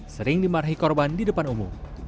sering dimarahi korban di depan umum